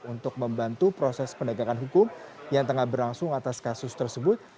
untuk membantu proses pendagangan hukum yang tengah berlangsung atas kasus tersebut